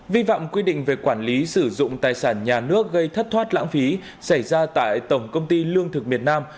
vi phạm quy định về quản lý sử dụng tài sản nhà nước gây thất thoát lãng phí xảy ra tại tổng công ty lương thực miền nam